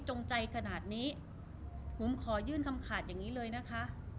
จงใจขนาดนี้บุ๋มขอยื่นคำขาดอย่างนี้เลยนะคะ